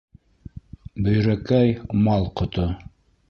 Бөйрәкәй - мал ҡото.